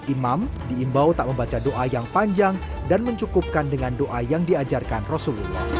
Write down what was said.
imam diimbau tak membaca doa yang panjang dan mencukupkan dengan doa yang diajarkan rasulullah